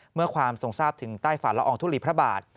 เมื่อความสงสับถึงใต้ฝาลอองทุ่อนิพระบาท